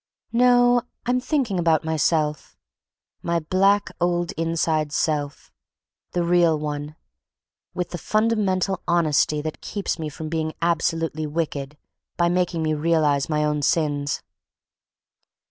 "No, I'm thinking about myself—my black old inside self, the real one, with the fundamental honesty that keeps me from being absolutely wicked by making me realize my own sins."